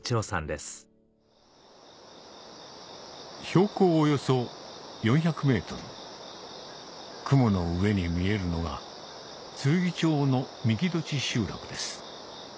標高およそ４００ｍ雲の上に見えるのがつるぎ町の三木枋集落です